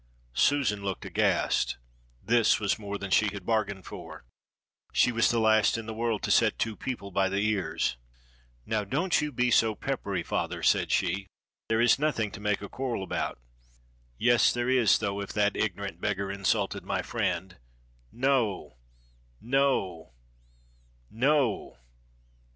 Susan looked aghast. This was more than she had bargained for. She was the last in the world to set two people by the ears. "Now don't you be so peppery, father," said she. "There is nothing to make a quarrel about." "Yes there is, though, if that ignorant beggar insulted my friend." "No! no! no!"